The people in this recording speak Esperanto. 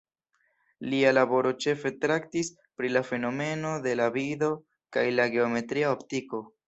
Lia laboro ĉefe traktis pri la fenomeno de la vido kaj la geometria optiko.